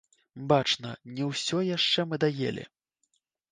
Бачна, не ўсё яшчэ мы даелі.